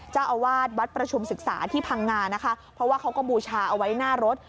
เจ้าอาวาสวัดประชุมศึกษาที่พังงานะคะเพราะว่าเขาก็บูชาเอาไว้หน้ารถ